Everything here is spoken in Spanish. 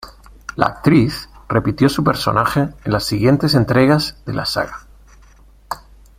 La actriz repitió su personaje en las siguientes entregas de la Saga.